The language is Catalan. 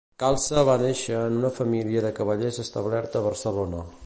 Calça va néixer en una família de cavallers establerta a Barcelona.